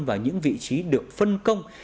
và những vị trí được phân công